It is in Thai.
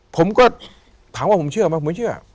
ผมก็ถามว่าผมเชื่อไหมผมเชื่อ